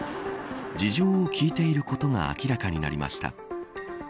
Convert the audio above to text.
事情を聴いていることが明らかになりました。